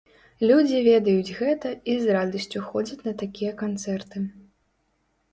Людзі ведаюць гэта і з радасцю ходзяць на такія канцэрты.